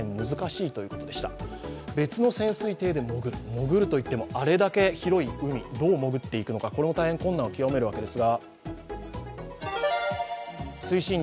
潜るといっても、あれだけ広い海、どう潜っていくのかこれも大変困難を極めるわけです。